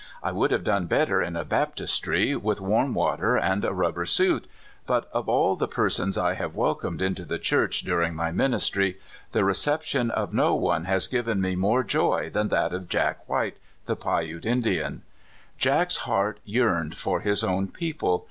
I would have done better in a baptistery, with warm water and a rub ber suit. But of all the persons I have welcomed into the Church during my ministry, the reception JACK WHITE. 189 of no one has given me more joy than that of Jack White, the Piute Indian. Tack's heart yearned for his own people.